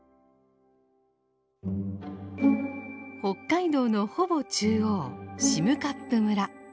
北海道のほぼ中央占冠村。